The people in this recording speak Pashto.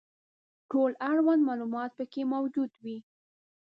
ټول اړوند معلومات پکې موجود وي.